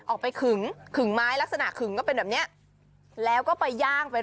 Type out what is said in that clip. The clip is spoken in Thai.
ออกไปขึงขึงไม้ลักษณะขึงจะเป็นอย่างนี้